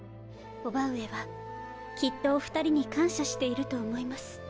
伯母上はきっとおふたりに感謝していると思います。